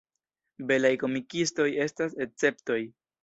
Belaj komikistoj estas esceptoj.